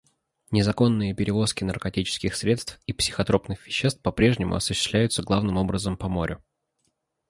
Незаконные перевозки наркотических средств и психотропных веществ по-прежнему осуществляются главным образом по морю.